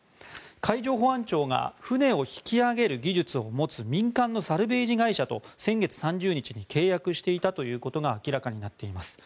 海上保安庁が船を引き揚げる技術を持つ民間のサルベージ会社と先月３０日に契約していたということが明らかになっています。